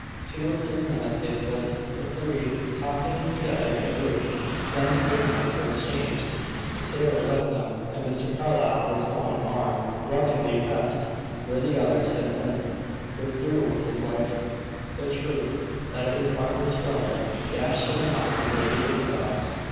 Two or three minutes they stood the three talking together in a group. Then the good nights were exchanged, the sailor left them, and Mr. Carlyle, his own arm lovingly pressed where the other's had been, withdrew with his wife. The truth that it was Barbara's brother dashed to the mind of Lady Isabel.